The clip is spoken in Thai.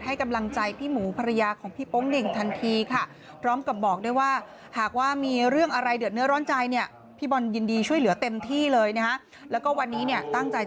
ให้กำลังใจพี่หมูภรรยาของพี่โป๊งเหน่งทันทีค่ะ